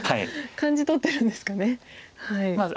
感じとってるんですかね。